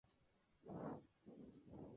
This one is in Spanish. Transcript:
Fue el fundador de Lobatera, Táchira, Venezuela.